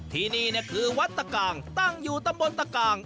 ที่นี่คือวัดตะกางตั้งอยู่ตำบลตะกาง